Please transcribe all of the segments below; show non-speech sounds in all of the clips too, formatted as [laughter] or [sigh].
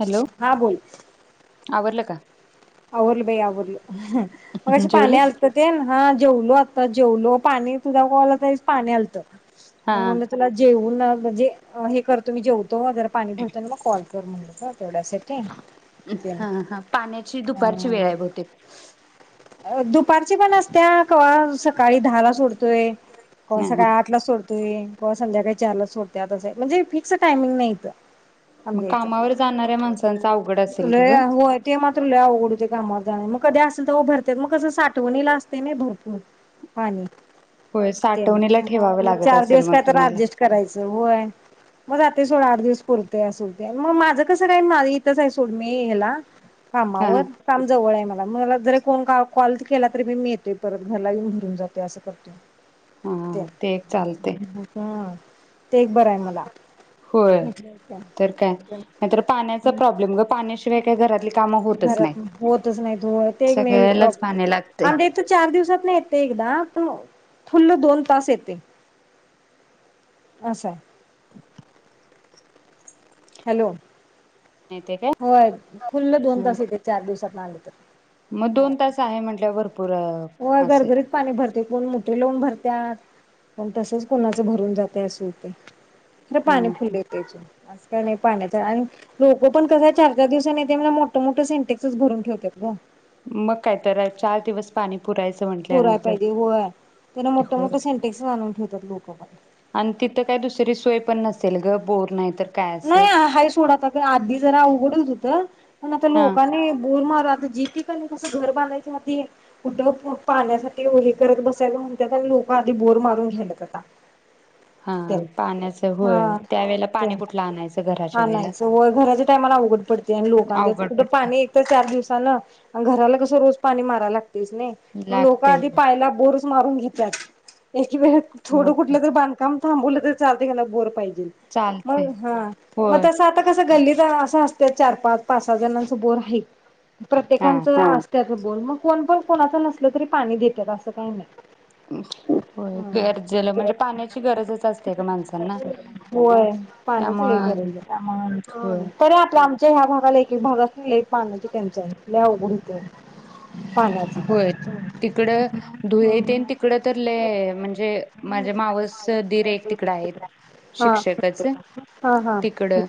Hello हा बोलं आवरलं का? आवरलं बाई आवरलं हं मगाशी पाणी जेवलीस? आलत तेन हा जेवलो आत्ता जेव जेवलो पाणी तुझा कॉल आलता त्यावेळीस पाणी आलत हा मग मी तुला जेऊ ना म्हजी अ हे करतो मी जेव तो अ जर पाणी भरतोय कॉल कर म्हणल ग तेवढ्यासाठी पारची वेळ आहे बहुतेक अ दुःप दपारचे पण असत्या कवा सकाळी दहा ला सोड तोय कवा हा सकाळी आठलाच सोडतोय कवा संध्याकळी चारला सोडत्यातच म्हणजे फिक्स टाइमिंग नाही इथं मग आमच्या इथं कामावर जाणाऱ्या माणसांचा अवघड असेल कि लय ग होय ते मात्र लय आवघड हुते कामा मग कधी असेल तवा भरत्यात मग कसं साठवणीला असत नइ भरपूर पाणी होय साठवणीला त्याना ठेवावं मग लागत चार असेल दिवस मग काय तर तुम्हाला ऍडजस्ट करायचं होय मग जातय सोड आठ दिवस पुरतय असल ते अन् मग माझं कसं काय माझं इथंच आहे सोड मी हेला हा कामावर काम जवळ आहे मला अन मला जरी कोण काॅ काॅल केला तरी भी मी येतो परत घरला येऊन भरून जाते असं करतो हा ते एक चालते ह होय तर काय नाहीतर पाण्याचा प्रॉब्लेम ग पाण्याशिवाय काय घरातील घरात होतच नाही ते एक मे सगळ्यालाच पाणी प्रॉब्लेम लागते आमच्या इथ चार दिवसात येतय एकदा प फुल्ल दोन तास येतेय असा हॅलो नाही ते काय होय फुल्ल दोन तास येतेय चार दिवसातन आले मग तर दोन तास आहे म्हटल्यावर भरपूर होय असेल गरगरीत पाणी भरतय फुल्ल ते लाऊन भरतात पण तसच कोणाच भरून जातय अस होतेय ईकड पाणी हा फुल्ल येतयच आज का नाही पाण्याचा आणि लोकं पण तस चार पाच दिवसांनी येतय म्हणून मोठं मोठे सिंटेक्सच भरून ठेवतात ग मग काय तर चार दिवस पाणी पुरायचं होय पुराय म्हटल्यानंतर पाहिजे होय तिन मोठ होय मोठ सिनटेक्स आणून ठेवण्यात लोकबाहेर आणि तिथं काय दुसरी सोय [unintelligible] बोर नाहीतर नाही हाय सोड आता ते आधी जरा उघडत होत पण आता हा लोकांनी बोर मार ते आता जी ठिकाणी कस घर बांधयच्या आधी कुठ पाण्यासाठी हे करत बसायला म्हणून त्यात लोकआधी बोर मारून घ्यालात आता हा ते पाण्याचं होय त्यावेेळेला पाणी कुठल हा नाहीच होय घराच्या टायमाला उघड पडतय आणि लोकांचच अवघड कुठं पडते पाणी एक तर चार दिवसान घराला कसं रोज पाणी माराला लाग तेच नाही लोक लागते आधी होय पायाला बोरच मारून घेतात हिवाळ्यात मग थोडं काय कुठलं तर बांधकाम थांबवलतर चालतय घरात बोर पाई चालतय हां मग तस आता कस गल्लीत असं असतय चार पाच पाच सहा जणांस बोर हाईत हा प्रत्येकाचं हां असत्यात बोर मग कोण? पण? कोणाच? नसल तरी पाणी देतात असं काही नाही होय हम्म गरजेलं म्हणजे पाण्याची गरजच असते ग माणसांना पाण्याची लई त्यामुळं गरज आहे होय तरी आपला आमच्या ह्या भागाला एक एक भागासनी लय पाण्याची टंचाई लय अवघड होतय होय तिकडं धुळे तेन तिकड तर लय म्हणजे माझे मावस दीर एक तिकडं आहेत हा शिक्षकच हा हा तिकडं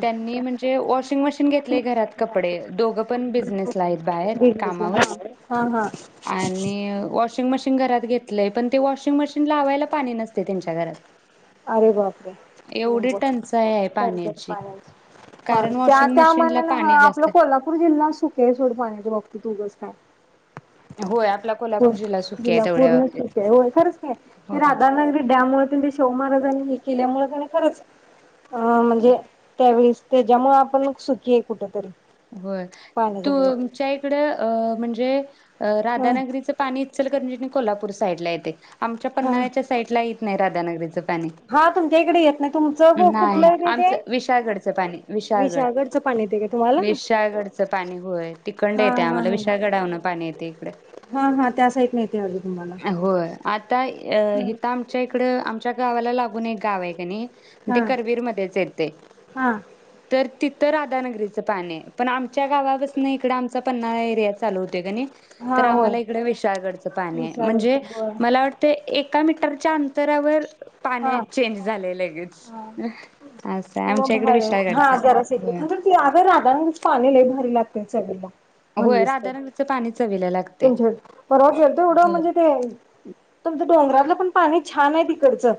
त्यांनी म्हणजे वॉशिंग मशीन घेतलेय घरात कपडे दोघं पण बिझनेसला आहेत बाहेर कामावर [unintelligible] हा आणि वॉशिंग मशीन घरात घेत पण ते वॉशिंग मशिन लावायला पाणी नसते त्यांच्या घरात अरे! बापरे! एवढी बघ टंचाई आहे टंचाई पाण्याची पाण्याच कारण पाणी त्या वॉशिंग त्या मशीनला मना पाणी आपलं जास्त कोल्हापूर जिल्हा सुखी हाय सोड पाण्याच बा त तू [unintelligible] काय होय आपला [inaudible] कोल्हापूर जिल्हा तर सुखी आहे ला तेवढ्या पूर्ण सुख बाबतीत आहे हो खरंच की होय राधानगरी डॅम व शाहू महाराजांनी हे केल्यामुळे त्याने खरंच अ म्हणजे त्यावेळेस त्याच्यामुळे आपण घे कुठेतरी? होय तुमच्या इकड अ म्हणजे ह राधानगरीचं पाणीच इचलकरंजी [unintelligible] कोल्हापूर साईड ला येते आमच्या हा पन्नाळ्याच्या साईड ला येत नाही राधानगरी हा तुमच्या इकडे येत ना तुमचं ग कुठलं? नाही येतय ते आमचं विशाळगडचं पाणी विशाळगड विशागडचं पाणी येते का तुम्हाला? विशाळगडचं पाणी होय तिकडन हा येते हा आम्हाला [unintelligible] हा विशाळगडावरन पाणी येते इकडे. हा हा त्या साइटन येतय होय आ आता हित आमच्या इकडं तुमच्या गावाला लागून एक गाव आहे का नाही? ते हा करवीरमध्येच येते हा तर तिथं राधानगरीचं पाणी आहे पण आमच्या गावापसन नाही इकडे आमचा पन्हाळा एरिया चालू होते का नाही? तर हा होय आम्हाला इकडे विशाळगडचं पाणी आहे विचारत म्हणजे होय मला वाटतय एक एका मीटरच्या अंतरावर हा पाणी चेंज झालंय लगेच असं आहे मग आमच्या इकडे भारी हा विशाळगडचं आहे. जरा [unintelligible] होय राधानगरी चे पाणी लय भारी लागतय तेच आहे डबा होय राधानगरीचं पाणी चवीला ला तुमच्या परवा गेलत एवढं म्हणजे ते तुमचं डोंगरातलं पण पाणी छान आहे तिकडचं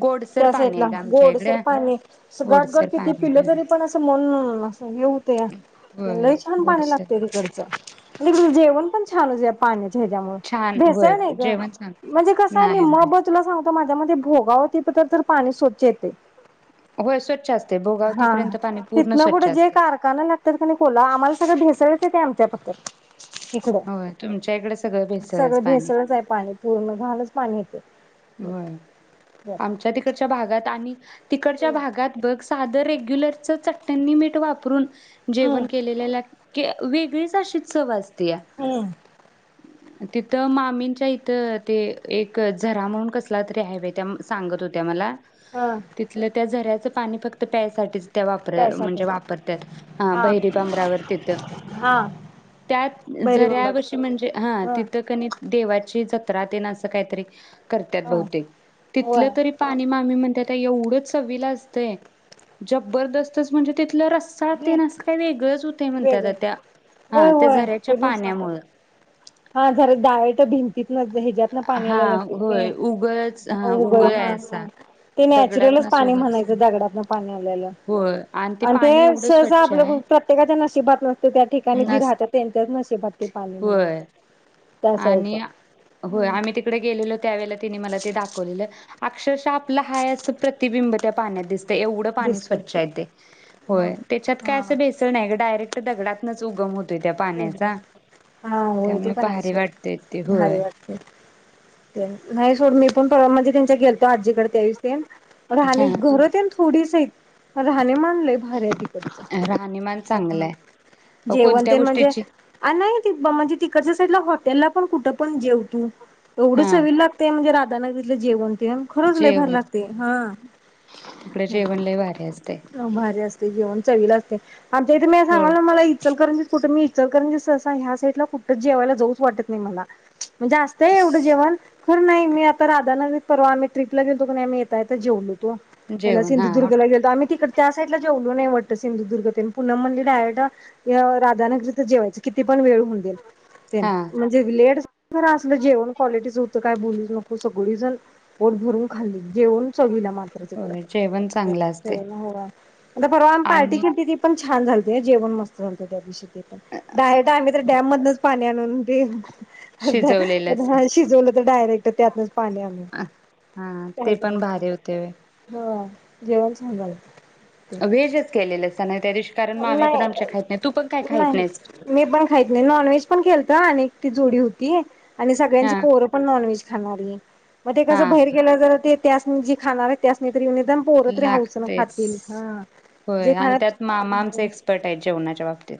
गोडसर त्या पाणी साईडला आहे गं आमच्या गोड सर इकडे पाणी अस गाटगट गोडसर किती पाणी पिलं आहे. तरी पण असं मन हे हुत्या होय छान पाणी गोडसर लागते तिकडचं [unintelligible] जेवण पण छान पाणी हच्यामुळे छान होय भेसळ नाही ग जेवण छान म्हणजे कस आहे नाही होय [unintelligible] सांगतो माझ भोगा होती पाणी स्वच्छ येते होय स्वच्छ असतंय हा भोगावतीपर्यंत पाणी पूर्ण तिथनं स्वच्छ पुढं जे असतंय. कारखाना लागतात का नाही कोला आम्हाला सगळं भेसळच येतय आमच्यापतर [inaudible] इकड होय तुमच्या इकडे सगळं भेसळच सगळं पाणी भेसळच आहे पाणी पूर्ण दहालाच पाणी येते हो आमच्या तिकडच्या भागात आणि तिकडच्या भागात बघ सादर एक रेग्युलरचं चट्ट्यांनी मीठ वापरून हम्म जेवण केलेल्या की वेगळीच अशी चव अस हम्म तिथं मामींच्या इथ ते एक घरा म्हणून कसला तरी हाय बाई त्या सांगत होत्या मला हा तिथल्या त्या झऱ्यात पाणी फक्त प्यायसाठीच त्या वापर त्यासाठी म्हणजे वापरत्यात हा बहिरी बांब्ऱ्यावर तिथ हा त्यात भैरीबाबाच झऱ्यावर्षी म्हणजे हा तिथं कणी देवाची जत्रा जत्रा तेन असं काहीतरी करत्यात हा बहूतेक होय तीथल तरी पाणी मामी म्हणती त्याला एवढं चवीला असतय जबरदस्त म्हणजे ते तो रस्सा तेन अस काय वेगळंच हुतंय म्हणत्या वेगळ होय त्या त्या होय ते झऱ्याच्या पण सांग पाण्यामुळं हा जरा डाळेट भिंतीतन त्यातंन पाणी हा आलेलं होय उगळच अस हा हो उगळ आहे असा ते नॅचरलच पाणी म्हणायचं ते नॅचरलच दगडातनच पाणी उगळ म्हणायचं दगडातन पाणी आलेलं होय आणि ते पाणी एवढं सहसा स्वच्छ आपल्या आहे प्रत्येकाच्या नशिबात नसतय त्या ठिकाणी जे नस राहत त्यांच्याच नशिबात ते पाणी होय म्हणायचं. त्या साईडला आणि होय आम्ही तिकडे गेलेलो त्यावेळे तिने मला ते दाखवलेलं अक्षरशः आपला हाय अस प्रतिबिंब त्या पाण्यात दिसत एवढं पाणी दिसते स्वच्छ ते होय त्याच्यात काय हा असं भेसळ नाय डायरेक्ट दगडात नच् उगम होतोय त्या पाण्याचा त्यामुळे नाय भारी वाटतय ते सोड भारी होय. वाटते ते नाही सोड मी आपण म्हणजे त्यांच्या गेलतो आजीकडे त्या दिवशी राहणी हा घर त्यानं तीस हाइत राहणीमान लय भारी आहे तिकडच राहणीमान अस चांगलंय. अ जेवन कोणत्या तेन म्हणजे गोष्टीची नाही म्हणजे तिकडच्या साईडला हॉ त्याला पण कुठं पण जेव तू हा एवढंच चवीला लागतेय म्हणजे त्यांना तिथल जेवण ते खरच लय भारी जेवण लागतय हा तिकडे जेवण लय भारी असतय आमचा विलास तर आणि इथं होय. सांगयल नाय मला इचलकरजीच कुठ मी इचलकरजीच तसा ह्या साईडला कुठच जेवायला जाऊच वाटत नाही मला म्हणजे आस्तय एवढं जेवण खर नाय मी आता राधानगरीत परवा आम्ही ट्रिपला गेलतो कण नाय मी येता येता जेवलोतो ह्याला जेवण हा हॉट सिंधुदुर्गला गेलतो आम्ही तिक त्या साइडलाच जेवलो नाही वाटत सिंधुदुर्ग ते पुनम म्हणली डायरेक्ट राधानगरीच जेवायचं किती पण वेळ होउदे. ते हा म्हणजे लेट खर असलं जेवण क्वालिटीच होतं काय बोलूच नको सगळीजण पोट भरून खाल्ली जेवण चवीला मा होय [unintelligible] जेवण चांगलं असतय ग परवा आमी पार्टी आणि केलती ती पण छान झालत जेवण मस्त झालत त्या दिवशी बाहेर [unintelligible] डॅम मधच पाणी आणुन दे शिजवलेलंच [unintelligible] शिजवलंय त डायरेक्ट त्यातच हा ते पण भारी होतय व्हय हा जेवण छान झालं. व्हेजच केलेलस का नाय त्या दिवशी कारण मग आम्ही पण नाही आमच्या खात नाही तू पण काय खात नाही नाहीस मी पण खाईत नाही नॉनव्हेज पण केलता. आणि एक ती जोडी होती. आणि हा सगळ्यांची पोरं पण नॉनव्हेज [unintelligible] मग ते कस हा बहेर गेल्यावर जरा ते त्यासनी जे खाणारये त्यासनी की निदान पोर तरी हाऊसन लागतेच खातील हा जे होय आणि खाया त्यात मामा आमच एक्सपर्ट हेत जेवणाच्या बाबतीत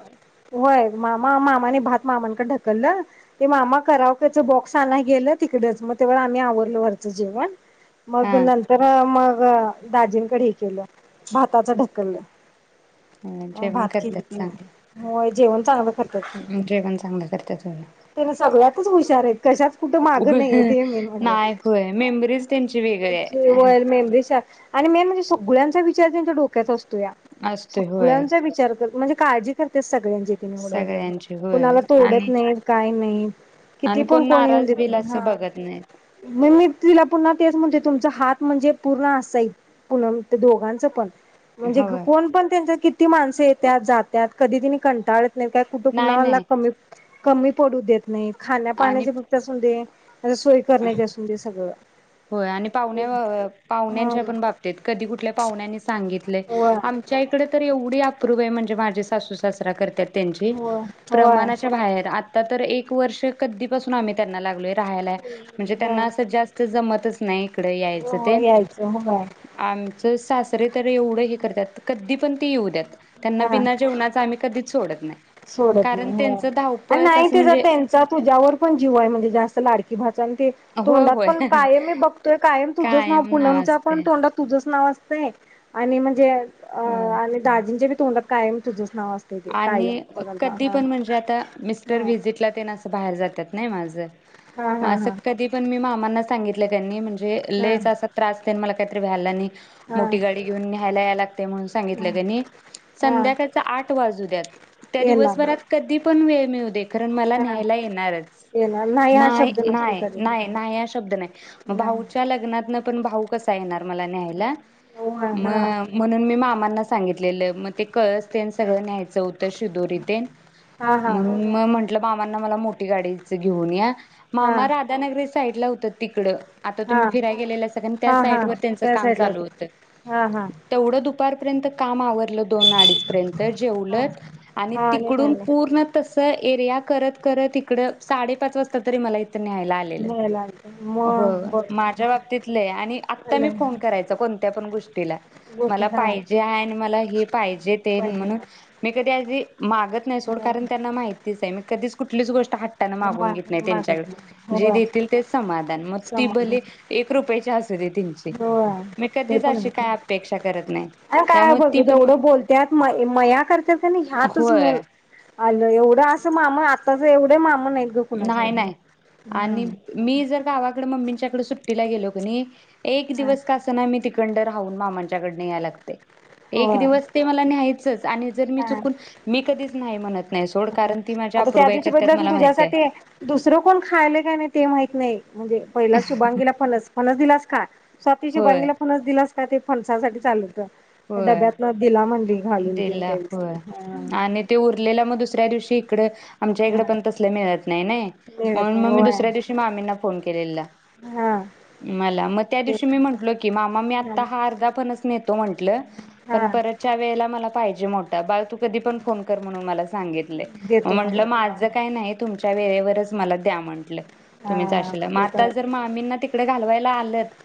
होय मामा मामाने भात मामांक ढकलल ते मामा कराव कच बॉक्स आनाय गेल तिकडच मग तवा आम्ही आवरल वरच जेवण मग हा नंतर मग व दाजींकड हे केल भाताच ढकलल होय, म जेवण भात केल करतात तीन चांगलं [inaudible] जेवण चागलं क जेवण चागलं करत्यात चागलं तूच हुशारहेत कशाच कुठ माग नाहीय ते मेन म्हंजे नाही होय मेमरीज त्यांची वेगळी आहे [unintelligible] आणि मेन म्हणजे सगळ्यांचा विचार त्यांच्या डोक्यात असतोया असतोय होय सगळ्यांचा विचार कर म्हणजे काळजी कर ते सगळ्यांची सगळ्यांची [unintelligible] होय कोणाला तोडत आणि नाहीत काय नाहीत किती आणि पण कोण कोणी नाराज येऊंदेत बिल असं हा बघत नाहीत [unintelligible] तिला पुन्हा तेच म्हणते तुमचा हात म्हणजे पूर्ण असाय [unintelligible] दोघांच पण म्हणजे होय. कोण पण त्यांच्यात किती माणस येत्यात जात्यात कधी तीनी कंटाळत नाय काय कुठ नाही कुम्हाला नाही कमी कमी पडू देत नाहीत. खाण्या आणि पाण्याचे फक्त असुंदे ते सोय करण्याचे असुंदे सगळ होय आणि पाहण्या पाहण्याच्या हा पण बाबतीत कधी कुठल्या पाहुण्यानी सांगितलय होय आम च्या इकड तर एवढी अप्रूप आहे म्हणजे माझे सासू सासरा करत्यात त्याची होय होय प्रमाणाच्या बाहेर आता तर एक वर्ष कधीपसून आम्ही त्यांना लागलोय राहायला या म्हणजे हा त्यांना जास् स्त जमतच नाही इकड यायच ते होय यायचं होय आम ज सासरे तर एवढ हे करत्यात कधी पण ते येऊद्यात त्यांना हा बिना जेवणाच आम्ही कधीच सोडत नाय. सोडत नाय हो आणि नाही तिझा म्हणजे त्यांचा तुझ्यावर पण जीव आहे. म्हणजे जास्त लाडकी भा पण ते होय तोंडात होय पण कायम मी बघतोय कायम तुझंच नाव कायम पूनमच्या पण असते तोंडात तुझं नाव असतय आणि म्हणजे अ होय आणि दाजींच्या बी तोंडांत कायम तुझ नाव असतय ते आणि कायम बघल हा कधी हा पण म्हणजे आता मिस्टर व्हिसिटला तेन अस बाहेर जातात. नाही माझं मग हा असं हा कधी पण मी मामांना सांगितलं त्यांनी म्हण म्हणजे हा लईच अस त्रास तेन मला कायतर व्हायला नाही हा हा मोठी गाडी घेऊन न्यायला यायला लागतय म्हणून हा सांगतील तेनी हा संध्याकाळच आठ वाजुद्यात त्या येणार दिवसभरात कधी पण वेळ मिळू देत कारण मला हा न्यायला येणारच येणार नाही हा नाय, शब्द नसतोय नाय, कधी नाय हा शब्द नाही भाऊंच्या लग्नातन पण भाऊ कसा येणार.? मला न्यायला हो हा म हा म्हणून मी मामा सांगितलेल मग ते कळस ते न्यायचं होतं शिदोरी तेन हा हा म्हणून म्हटलं मामांना मला मोठी गाडीच घेऊन या हा मामा राधानगरी साईड ला होतात तिकडं आता हा तुम्ही फिरायला गेलेलेसा त्या हा हा साईट व त्यांच त्या काम साईडला चालू होत होतं हा हा तेवढं दु दुपारपर्यंत काम आवरलं दोन अडीचपर्यंत हा जेवलत आणि हा तिकडून न्यायला पूर्ण तस एरिया करत करत इकड साडेपाच वाजता तरी मला न्यायला आलेलत न्यायला आलत मग व्हय बर माझ्या बाबतीत लय आणि आता लय फोन करायचा कोणत्या पण गोष्टी गोष्टी मला हा पाहिजे आहे आणि मला पाहिजे ते पाहिजे म्हणून मी कधी आधी मागत नाही सोड हा कारण त्यांना माहितीच आहे म कधीच कुठलीच गोष्ट हट्टन मा मागून घेत नाही मागत त्यांच्याकडे नाही जे हो देतील तेच समाधान मग ती समाधान भले एक रुपयाची असु दे त्यांची हो मी ते कधीच पण अशी आहे. काय अपेक्षा करत नाही आणि काय त्यामुळे बघ ती पण जेवढं बोलत्यात म मया करत्यात का नाहीं ह्यातच होय मेन आल एवढं अस मामा आता तसे एवढं ते मामा नाहीत ग कुणाच नाही एवढे नाही आणि हम्म मी जर गवाकडे मम्मी तिच्याकडे सुट्टीला गेलो की नई एक हा दिवस का असना मी तिकड तिकडं राहून मामांच्या कडन याव लागतय एक दिवस होय ते मला न्याहायचच आणि जर मी चुकून मी कधी नाही म्हणत नाही सोड कारण ती माझ्या आता त्या अपूर्वाई दिवशी करत्यात बदल मला माहिती आहे तुझ्यासाठी दुसरं कोण खायले काय नाही ते माहत नाही. म्हणजे पहिला शुभांगीला फनस, फनस दिलास का? स्वातीच्या होय बायनीला फणस दिलास का ते फणसासाठी चालं होतं होय, तीन दिला त्यावेळेस होय, ती. आणि ते उरलेला म दुसऱ्या दिवशी इकडं आमच्या हा इकड पण तसले मिळत नाही नई मिळत मनून नाही म मी होय दुसऱ्या दिवशी मामींना फोन केलेला. हा मला म त्या दिवशी तेच मी म्हटलो की मामा मी आता हा अर्धा फणस नेतो म्हन म्हंटल पण हा परत च्या वेळेला मला पाहिजे मोटा बाळ तू कधी पण फोन कर म्हणून मला सांगितलंय, म देतो म्हंटलं माझं म्हणलं काही नाही तुमच्या वेळे वरच मला दया म्हंटलं तुम्ही हा जाशील ना म ते आता तर जर मामींना तिकड घालवायला आलत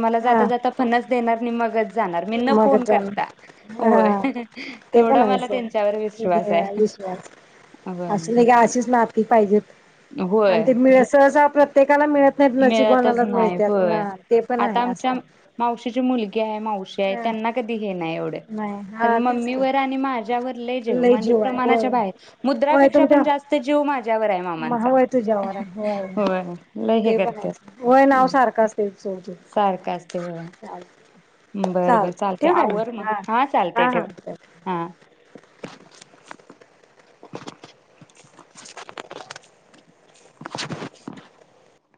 मला हा जाता, जाता फणच देणार नी मगच जाणार मी न मग करता. होय हा ते पण तेवढा आहेस मला त्यांच्यावर विश्वास आहे. विश्वास होय अस नही का अशीच नाती पाहिजे [unintelligible] आणि ते होय मिळे सहसा आपल काला मिळत नाहीत नशीबवाना मिळतच ला नाही मिळत्यात आ होय ते पण आता आहे असं आमच्या मावशीची मुल त्या मावशी आहे त्यांना कधी हे नाही एवढे नाही खरं हा तेच की मम्मीवर आणि माझ्यावर लई जीव, लय म्हणजे आहे होय प्रमाणाच्या बाहेर मुद्रा होय पेक्षा तुमच्या पण जास्त जीव माझ्या च्यावर आहे मामांचा होय होय लई हे वय नाव सारखं असतय सारक असतय बघा बरं, बरं चालतंय ठेवू काय आवर मग हा हां चालतंय हा ठेव हा हा [inaudible]